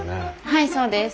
はいそうです。